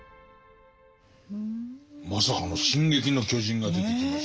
まさかの「進撃の巨人」が出てきましたけど。